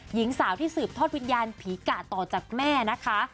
หญิงสาวที่สืบทอดวิญญาณผีกะต่อจากแม่นะคะ